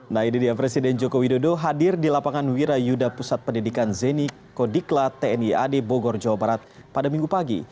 nah ini dia presiden joko widodo hadir di lapangan wirayuda pusat pendidikan zeni kodikla tni ad bogor jawa barat pada minggu pagi